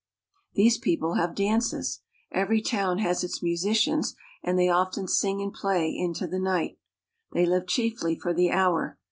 These people have dances. Every town has its mu sicians, and they often sing and play far into the night. They live chiefly for the hour.